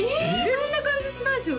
そんな感じしないですよ